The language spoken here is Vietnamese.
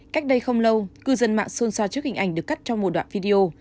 cách đây không lâu cư dân mạng xôn xa trước hình ảnh được cắt trong một đoạn video